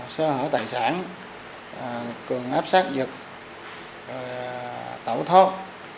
xe hở tài sản cường áp sát vật tẩu thốt